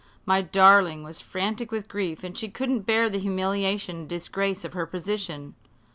"My darling was frantic with grief, and she couldn't bear the humiliation and disgrace of her position.